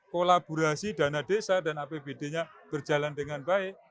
kolaborasi dana desa dan apbd nya berjalan dengan baik